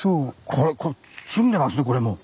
これこれ詰んでますねこれも。